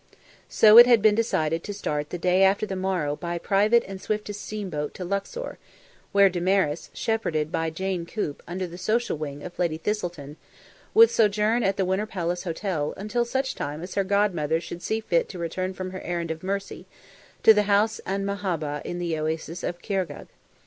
So it had been decided to start the day after the morrow by private and swiftest steam boat to Luxor, where Damaris, shepherded by Jane Coop and under the social wing of Lady Thistleton, would sojourn at the Winter Palace Hotel until such time as her godmother should see fit to return from her errand of mercy to the House 'an Mahabbha in the Oasis of Khargegh.